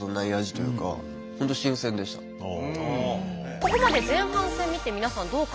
ここまで前半戦見て皆さんどう感じているでしょうか？